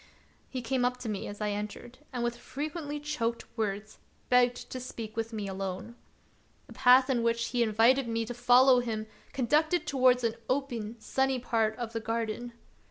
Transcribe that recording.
He came 54 The Wo7iderful History up to me as I entered, and with frequently choked words begged to speak with me alone. The path in which he invited me to follow him conducted towards an open, sunny part of the garden.